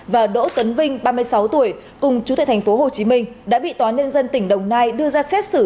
và đỗ tấn vinh ba mươi sáu tuổi cùng chú tại tp hcm đã bị tòa nhân dân tỉnh đồng nai đưa ra xét xử